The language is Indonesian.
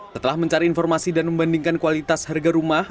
setelah mencari informasi dan membandingkan kualitas harga rumah